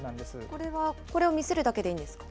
これはこれを見せるだけでいいんですか？